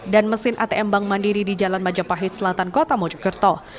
dan mesin atm bank mandiri di jalan majapahit selatan kota mojokerto